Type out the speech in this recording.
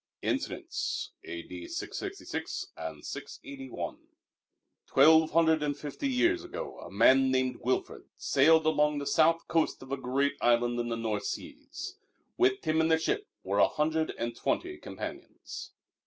Incidents A.D. 666 and 681) Twelve hundred and fifty years ago a man named Wilfrid sailed along the south coast of a great island in the North Seas. With him in the ship were a hundred and twenty companions.